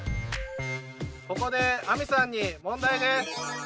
ここで亜美さんに問題です。